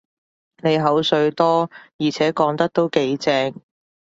你口水多，而且講得都幾正